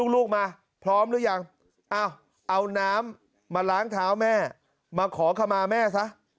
ลูกมาพร้อมหรือยังเอาน้ำมาล้างเท้าแม่มาขอขมาแม่ซะ